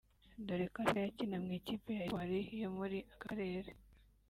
dore ko asigaye akina mu ikipe ya Espoir yo muri aka karere